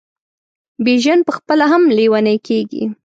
بیژن پخپله هم لېونی کیږي.